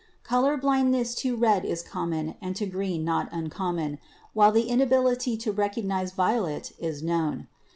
Color blindness to red is common and to green not uncommon, while the inability to recognise violet is known.